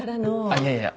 あっいやいや